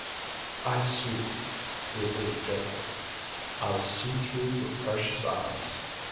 "I see," he agreed gently. "I see through your precious eyes.